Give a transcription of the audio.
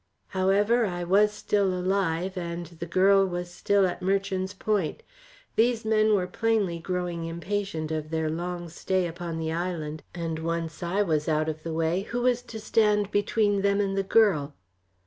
However, I was still alive, and the girl was still at Merchant's Point. These men were plainly growing impatient of their long stay upon the island; and once I was out of the way, who was to stand between them and the girl?